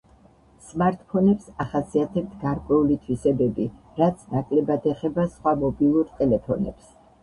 სმარტფონებს ახასიათებთ გარკვეული თვისებები, რაც ნაკლებად ეხება სხვა მობილურ ტელეფონებს.